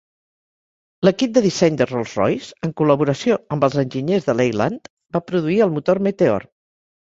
L'equip de disseny de Rolls-Royce, en col·laboració amb els enginyers de Leyland, va produir el motor Meteor.